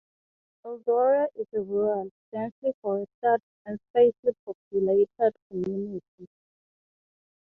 Eldora is a rural, densely forested, and sparsely populated community.